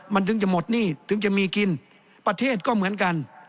มันถึงจะหมดหนี้ถึงจะมีกินประเทศก็เหมือนกัน